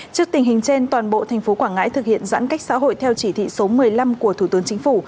trước tình hình trên toàn bộ thành phố quảng ngãi thực hiện giãn cách xã hội theo chỉ thị số một mươi năm của thủ tướng chính phủ